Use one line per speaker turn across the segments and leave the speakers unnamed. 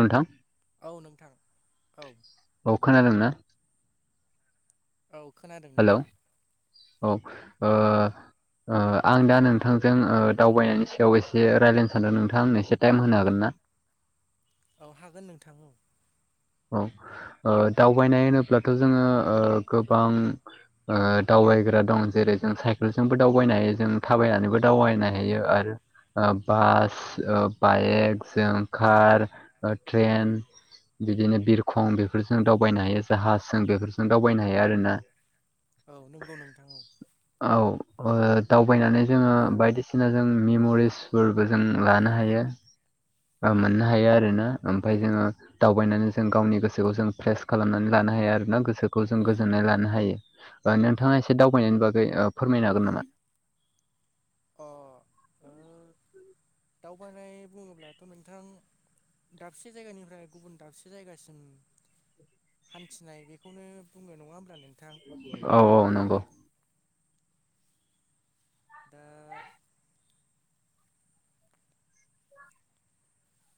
नोंथां
औ नोंथां औ
अ खोनादों ना
औ खोनादों
हेलौ
नोंथां
औ ओ ओ आं दा नोंथांजों दावबायनायनि सायाव एसे रायज्लायनो सानदों नोंथाङा आंनो एसे टाइम होनो हागोन ना
औ हागोन नोंथां औ
औ दावबायनाय होनोब्लाथ' जोङो गोबां ओ दावबायग्रा दं जेरै जों साइकेलजोंबो दावबायनो हायो जों थाबायनानैबो दावबायनो हायो आरो ओ बास ओ बाइक जों कार ओ ट्रेन बिदिनो बिरखं बेफोरजों दावबायनो हायो जाहाजों बेफोरजों दावबायनो हायो आरोना
औ नोंगौ नोंथां औ
औ ओ दावबायनानै जोङो बायदिसिना जों मेम'रिस फोरबो जों लानो हायो ओ मोननो हायो आरोना ओमफाय जोङो दावबायनानै जों गावनि गोसोखौ जों फ्रेस खालामनानै लानो हायो आरोना गोसोखौ जों गोजोननाय लानो हायो ओ नोंथाङा एसे दावबायनायनि बागै ओ फोरमायनो हागोन नामा?
अ ओ दावबायनाय बुङोब्लाथ' नोंथां दाबसे जायगानिफ्राय गुबुन दाबसे जायगासिम हान्थिनाय बेखौनो बुंङो नङा होमब्ला नों
औ औ नंगौ
दा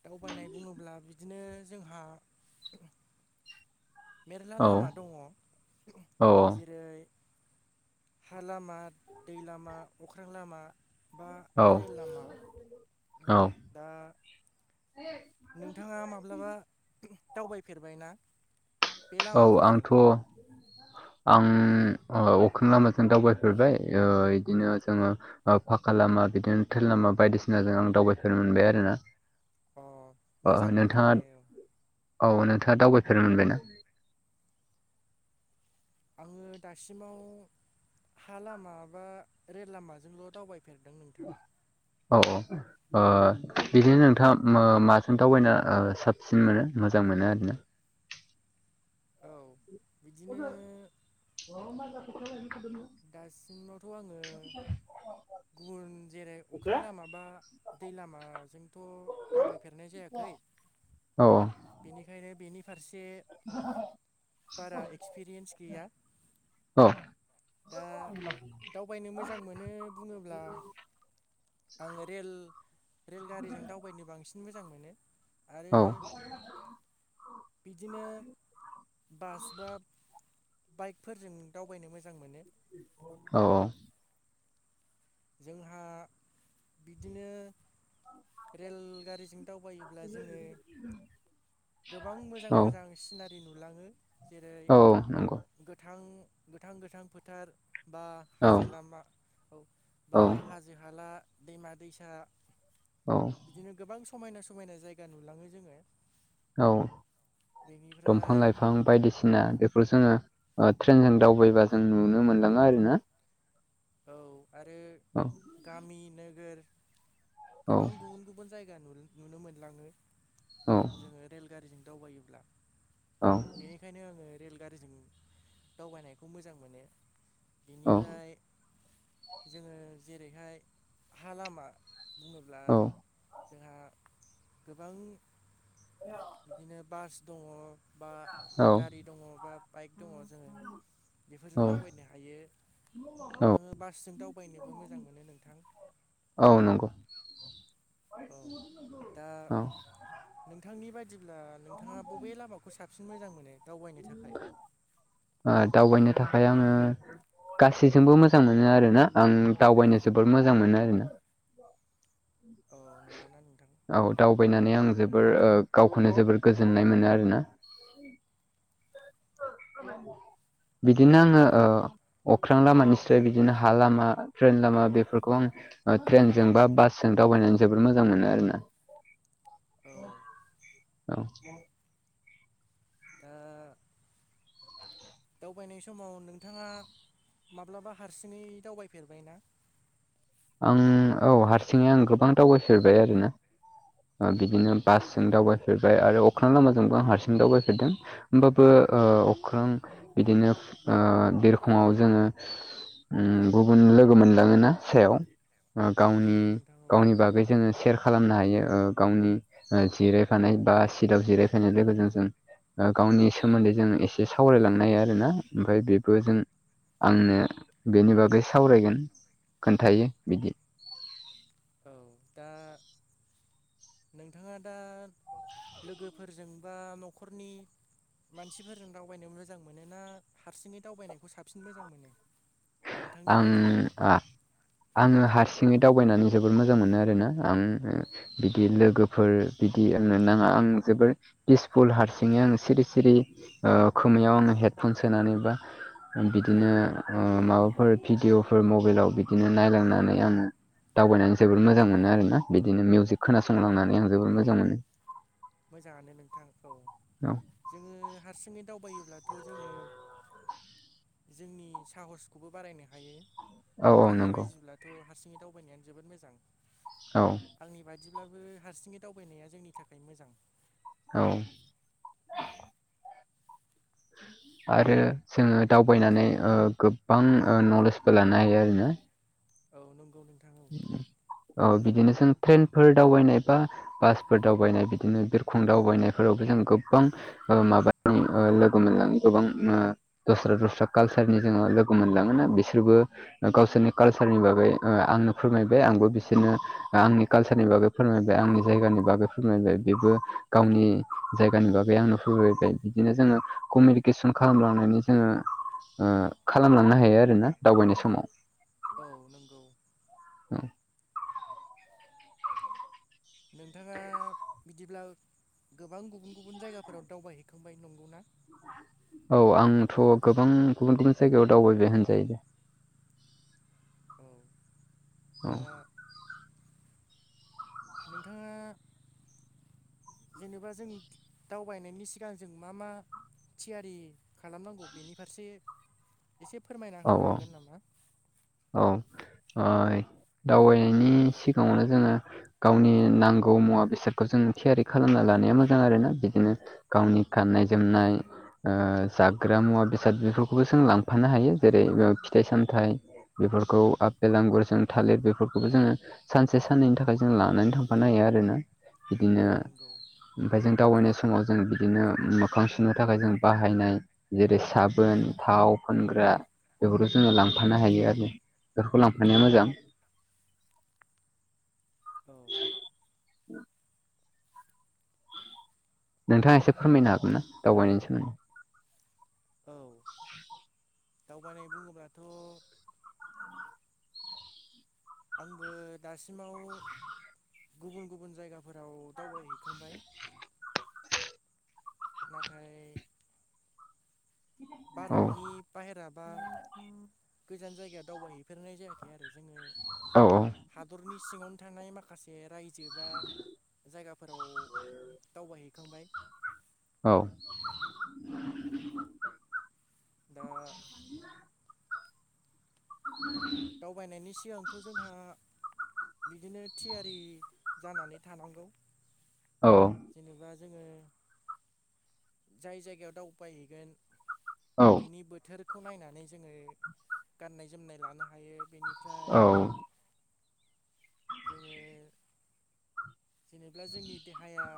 दावबायनाय बुङोब्ला बिदिनो जोंहा मेरला
औ
लामा दङ
औ
जेरै हा लामा दै लामा अख्रां लामा बा
औ
रेल लामा दा
आयै
नोंथाङा माब्लाबा दावबायफेरबाय ना?
औ आंथ' आं ओ अख्रां लामाजों दावबायफेरबाय ओ इदिनो जोङो ओ फाखा लामा बिदिनो ट्रेन लामा बायदिसिनाजों आं दावबायफेरनो मोनबाय आरो ना
अ
ओ
मोजां नोंथां दे औ
नोंथाङा औ नोंथाङा दावबायफेरनो मोनबाय ना
आङो दासिमाव हा लामा बा रेल लामाजोंल' दावबाय फेरदों नोंथां
औ औ ओ बिदिनो नोंथाङा ओ माजों दावबायना ओ साबसिन मोनो मोजां मोनो आरोना
औ बिदिनो
[unintelligible]
दासिमनावथ' आङो गुबुन जेरै अख्रां लामा बा दै लामाजोंथ' दावबायफेरनाय जायाखै
औ-औ
बेनिखायनो बेनि फारसे बारा एक्सपिरियेन्स गैया
औ
दा दावबायनो मोजां मोनो बुङोब्ला आङो रेल रेलगारिजों दावबायनो बांसिन मोजां मोनो
औ
आरो [inaudible] बिदिनो बास बा बाइकफोरजों दावबायनो मोजां मोनो
औ-औ
जोंहा बिदिनो रेलगारिजों दावबायो ब्ला जोङो गोबां मोजां
औ
मोजां सिनारि नुलाङो जेरै
औ नंगौ
गोथां गोथां गोथां फोथार बा
औ
हाजो लामा औ
औ
बा हाजो हाला दैमा दैसा
औ
बिदिनो गोबां समायना समायना जायगा नुलाङो जोङो।
औ दंफां
बेनिफ्राय
लाइफां बिफां बायदिसिना बेफोर जोङो ट्रेनजों दावबायबा जों नुनो मोनलाङो आरो ना
औ आरो
औ
गामि नोगोर
औ
गोबां गुबुन गुबुन जायगा नुनो मोनलाङो
औ
जोङो रेलगारिजों दावबायोब्ला
औ
बेनिखायनो आङो रेलगारिजों दावबायनायखौ मोजां मोनो
औ
बेनिफ्राय जोङो जेरैहाय हा लामा बुङोब्ला जोंहा गोबां
[inaudible]
बिदिनो बास दङ बा
औ
गारि दङ बा बाइक दङ जोङो बेफोरजों
औ
दावबायनो हायो आङो बासजों दावबायनोबो मोजां मोनो नोंथां
औ नंगौ
औ दा
औ ओ
नोंथांनि बायदिब्ला नोंथाङा बबे लामाखौ खौ साबसिन मोजां मोनो दावबायनो थाखाय
ओ दावबायनो थाखाय आङो गासैजोंबो मोजां मोनो आरोना आं दावबायनो जोबोद मोजां मोनो आरोना
अ नंगौना नोंथां?
औ दावबायनानै आं जोबोर गावखौनो जोबोर गोजोननाय मोनो आरोना बिदिनो आङो ओ अख्रां लामानिस्राय बिदिनो हा लामा ट्रेन लामा बेफोरखौ आं ट्रेनजों बा बासजों दावबायनानै जोबोर मोजां मोनो आरो ना
औ
औ
दा दावबायनाय समाव नोंथाङा माब्लाबा हारसिङै दावबायफेरबायना
आं औ हारसिङै आं गोबां दावबायफेरबाय आरोना बिदिनो
औ
बासजों दावबायफेरबाय आरो अख्रां लामाजोंबो आं हारसिं दावबायफेरदों होमबाबो अख्रां बिदिनो बिरखङाव जोङो गुबुन लोगो मोनलाङोना सायाव
औ
गावनि
नंगौ नोंथां औ
गावनि बागै जोङो सेर खालामनो हायो गावनि जिरायफानाय बा सिटाव जिरायफैनाय लोगोजों जों गावनि सोमोन्दै जों एसे सावरायलांनो हायो आरोना ओमफ्राय बेबो जों आंनो बेनि बागै सावरायगोन खोन्थायो बिदि
औ दा नोंथाङा दा लोगोफोरजों बा न'खरनि मानसिफोरजों दावबायनो मोजां मोनो ना हारसिङै दावबायनायखौ साबसिन मोजां मोनो नोंथांनि बायदिब्ला
आं आङो हारसिङै दावबायनानै जोबोद मोजां मोनो आरोना आं बिदि लोगोफोर बिदि आंनो नाङा आं जोबोर पिसफुल हारसिङै आङो सिरि सिरि खोमायाव आङो हेडफन सोनानै बा बिदिनो माबाफोर फोर भिदिअफोर मबाइलाव बिदिनो नायलांनानै आङो दावबायनानै जोबोर
औ
मोजां मोनो आरोना बिदिनो मिउजिक
औ
खोनासंलांनानै आं जोबोर मोजां मोनो
मोजाङानो नोंथांखौ
औ
जोङो हारसिङै दावबायोब्लाथ' जोङो जोंनि साहसखौबो बारायनो हायो
औ औ
नोंथांनि
नंगौ
बायदिब्लाथ' हारसिङै दावबायनायानो जोबोद मोजां
औ
आंनि बादिब्लाबो हारसिङै दावबायनाया जोंनि थाखाय मोजां
औ आरो जोङो दावबायनानै गोबां नलेजबो लानो हायो आरोना
औ नंगौ नोंथां औ
औ बिदिनो जों ट्रेनफोर दावबायनाय बा बासफोर दावबायनाय बिदिनो बिरखं दावबायनायफोरावबो जों गोबां माबा लोगो मोनलां गोबां दस्रा दस्रा कालसारनि जोङो लोगो मोनलाङोना बिसोरबो गावसोरनि कालसारनि बागै आंनो फोरमायबाय आंबो बिसोरनो आंनि कालसारनि बागै फोरमायबाय आंनि जायगानि बागै फोरमायबाय बेबो गावनि जायगानि बागै आंनो फैबाय बिदिनो जोङो कमिउनिकेसन खालामलांनानै जोङो खालामलांनो हायो आरोना दावबायनाय समाव
औ नंगौ
औ
नोंथाङा बिदिब्ला गोबां गुबुन गुबुन जायगाफोराव दावबायहैखांबाय नंगौना
औ आंथ' गोबां गुबुन गुबुन जायगायाव दावबायबाय होनजायो दे [unintelligible]
औ
औ
दा नोंथाङा जेनेबा जों दावबायनायनि सिगां जों मा मा थियारि खालामनांगौ बेनि फारसे एसे फोरमायना
औ
होनो हागोन
औ
नामा
औ दावबायनायनि सिगाङावनो जोङो गावनि नांगौ मुवा बेसादखौ जों थियारि खालामना लानाया मोजां आरोना बिदिनो गावनि गाननाय जोमनाय जाग्रा मुवा बेसाद बेफोरखौबो जों लांफानो हायो जेरै फिथाइ सामथाइ बेफोरखौ आपेल आांगुरजों थालिर बेफोरखौबो जोङो सानसे साननैनि थाखाय जों लानानै थांफानो हायो आरोना बिदिनो
औ नंगौ औ
ओमफ्राय जों दावबायनाय समाव समाव जों बिदिनो मोखां सुनो थाखाय जों बाहायनाय जेरै साबोन थाव फोनग्रा बेफोरखौ जोङो लांफानो हायो आरो बेफोरखौ लांफाया मोजां
औ
नोंथाङा एसे फोरमायनो हागोन ना दावबायनायनि सोमोन्दै
औ दावबायनाय बुङोब्लाथ' आंबो दासिमाव गुबुन गुबुन जायगाफोराव दावबायहैखांबाय नाथाय भारतनि बाहेरा बा गोजान जायगायाव दावबायहैफेरनाय जायाखै आरो जोङो
औ औ
हादरनि सिङावनो थानाय माखासे रायजो बा जायगाफोराव दावबायहैखांबाय
औ
दा
[unintelligible]
दावबायनायनि सिगांथ' जोंहा बिदिनो थियारि जानानै थानांगौ।
औ
जेनेबा जोङो जाय जायगायाव दावबायहैगोन
औ
बिनि बोथोरखौ नायनानै जोङो गाननाय जोमनाय लानो हायो। बेनि
औ
ओमफ्राय जोङो जेनेब्ला जोंनि देहाया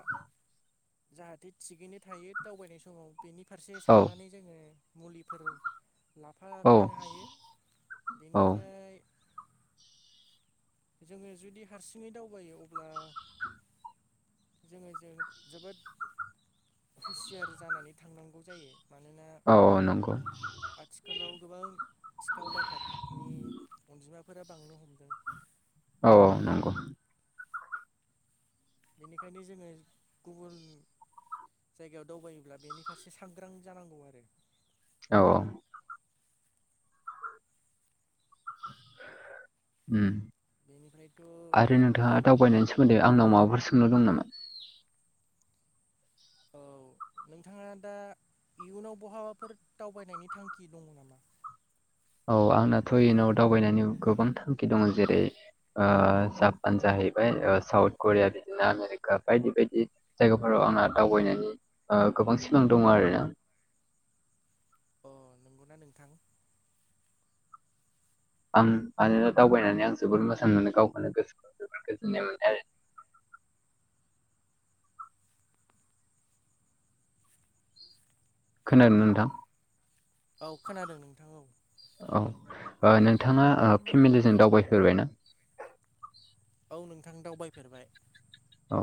जाहाथे थिगैनो थायो दावबायनाय समाव। बेनि फारसे
औ
साननानै जोङो मुलिफोर
औ
लाफाखानो हायो।
औ
बेनिफ्राय जोङो जुदि हारसिङै दावबायो। अब्ला जोङो जों जोबोद हुसियार जानानै थांनांगौ जायो। मानोना
औ औ नंगौ
आथिखालाव गोबां सिखाव दाखाद नि अनजिमाफोरा बांनो हमदों।
औ औ नंगौ।
बेनिखायनो जोङो गुबुन जायगायाव दावबायोब्ला बेनि फारसे सांग्रां जानांगौ आरो।
औ औ उम
बेनिफ्रायथ'
आरो नोंथाङा दावबायनायनि सोमोन्दै आंनाव माबाफोर सोंनो दं नामा?
औ नोंथाङा दा इयुनाव बहाबाफोर दावबायनायनि थांखि दङ नामा?
औ आंनाथ' इयुनाव दावबायनायनि गोबां थांखि दङ। जेरै ओ जापान जाहैबाय साउथ करिया बिदिनो आमेरिका बायदि बायदि जायगाफोराव आंना दावबायनायनि ओ गोबां सिमां दङो आरोना।
अ नंगौना नोंथां?
आं मानोना दावबायनानै आं जोबोर मोजां मोनो गावखौनो गोसोखौ जोबोर गोजोननाय मोनो आरो। खोनादों ना नोंथां?
औ खोनादों नोंथां औ।
औ ओ नोंथाङा ओ फेमिलिजों दावबायफेरबायना?
औ नोंथां दावबायफेरबाय।
औ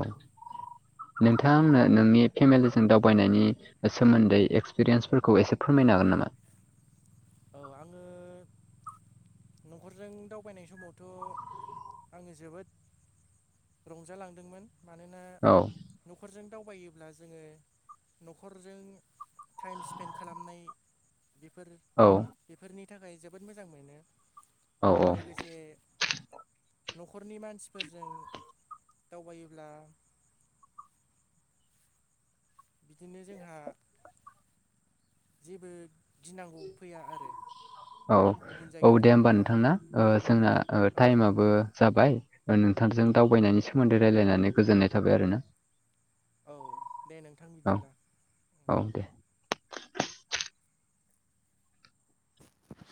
नोंथां आंनो नोंनि फेमिलिजों दावबायनायनि सोमोन्दै एक्सपिरियेन्सफोरखौ एसे फोरमायनो हागोन नामा?
औ आङो। न'खरजों दावबायनाय समावथ' आङो जोबोद रंजालांदोंमोन। मानोना
औ
न'खरजों दावबायोब्ला जोङो न'खरजों टाइम स्पेन्ड खालामनाय बेफोर
औ
बेफोरनि थाखाय जोबोद मोजां मोनो।
औ
लोगोसे न'खरनि मानसिफोरजों दावबायोब्ला बिदिनो जोंहा जेबो गिनांगौ फैया आरो।
औ
गुबुन
औ
जायगायाव
दे होमबा
थाङोब्ला
नोंथां ना ओ जोंना
औ
टाइमाबो जाबाय नोंथांजों दावबायनायनि सोमोन्दै रायलायनानै गोजोननाय थाबाय आरो ना।
औ दे नोंथां
औ
बिदिब्ला।
औ दे।